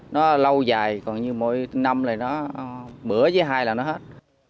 nó lâu dài còn như mỗi năm này nó bữa với hai là nó hết